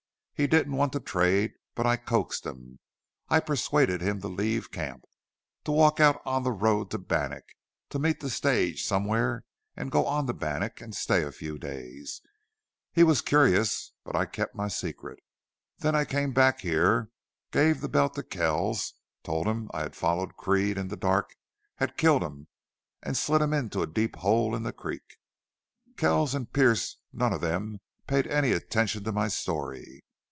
He didn't want to trade. But I coaxed him. I persuaded him to leave camp to walk out on the road to Bannack. To meet the stage somewhere and go on to Bannack, and stay a few days. He sure was curious. But I kept my secret.... Then I came back here, gave the belt to Kells, told him I had followed Creede in the dark, had killed him and slid him into a deep hole in the creek.... Kells and Pearce none of them paid any attention to my story.